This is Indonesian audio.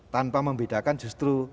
tanpa membedakan justru